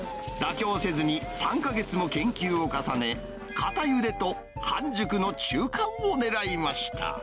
妥協せずに、３か月も研究を重ね、かたゆでと半熟の中間を狙いました。